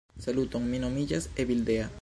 Saluton, mi nomiĝas Evildea